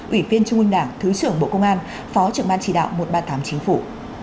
ủy viên trung ương đảng thứ trưởng bộ công an phó trưởng ban chỉ đạo một trăm ba mươi tám chính phủ